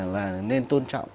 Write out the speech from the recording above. là nên tôn trọng